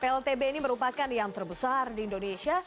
pltb ini merupakan yang terbesar di indonesia